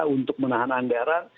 untuk menahan anggaran